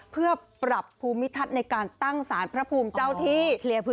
เพื่อปรับภูมิทัศน์ในการตั้งสารพระภูมิเจ้าที่